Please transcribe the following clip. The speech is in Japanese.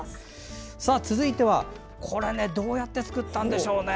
続いては、これどうやって作ったんでしょうね。